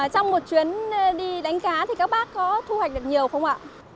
trong một chuyến đi đánh cá thì các bác có thu hoạch được nhiều không ạ